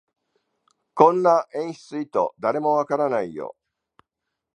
そんな演出意図、誰もわからないよ